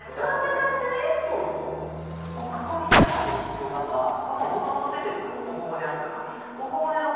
骨格を引き出すために必要なのはこのもともと出てる頬骨あるじゃない。